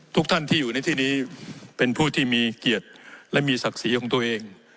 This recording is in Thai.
ทุกท่านที่อยู่ในที่นี้เป็นผู้ที่มีเกียรติและมีศักดิ์ศรีของตัวเอง